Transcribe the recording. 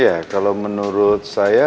iya kalau menurut saya